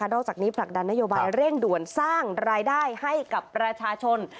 จากนี้ผลักดันนโยบายเร่งด่วนสร้างรายได้ให้กับประชาชน